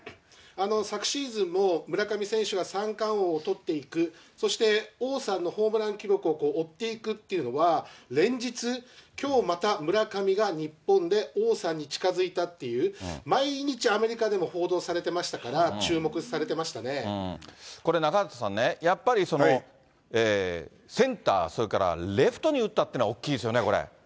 昨シーズンも村上選手が三冠王を取っていく、そして王さんのホームラン記録を追っていくというのは、連日、きょうまた村上が日本で王さんに近づいたっていう、毎日アメリカでも報道されてましたから、これ、中畑さんね、やっぱりセンター、それからレフトに打ったっていうのは大きいですよね、これ。